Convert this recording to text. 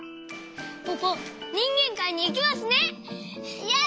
ポポにんげんかいにいけますね！